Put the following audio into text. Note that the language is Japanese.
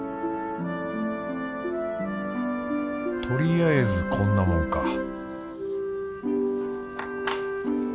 とりあえずこんなもんか